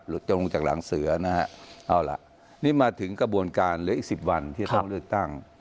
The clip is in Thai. จะลงจากหลังเสือนะฮะเอาล่ะนี่มาถึงกระบวนการเหลืออีกสิบวันที่จะต้องเลือกตั้ง